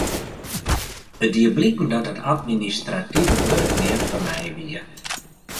It die bliken dat dat administrative wurk neat foar my wie.